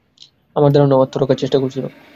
আমার ধারণা ও আত্মরক্ষার চেষ্টা করছিল।